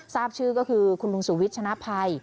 ทราบชื่อก็คือคุณลุงสุวิทชนะภัย